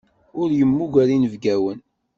Ur yemmuger inebgawen.